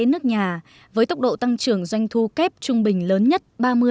kinh tế nước nhà với tốc độ tăng trưởng doanh thu kép trung bình lớn nhất ba mươi một